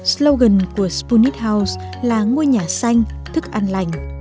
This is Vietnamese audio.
slogan của spunit house là ngôi nhà xanh thức ăn lành